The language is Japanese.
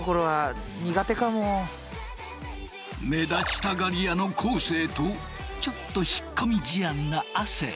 目立ちたがり屋の昴生とちょっと引っ込み思案な亜生。